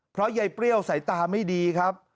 เพราะยายเปรี้ยวสายตาไม่ดีครับ